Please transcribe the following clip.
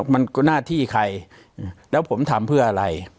มันก็หน้าที่ใครแล้วผมทำเพื่ออะไร